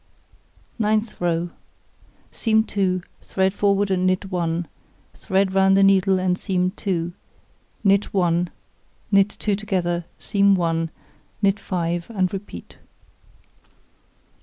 Ninth row: Seam 2, thread forward and knit 1, thread round the needle and seam 2, knit 1, knit 2 together, seam 1, knit 5, and repeat.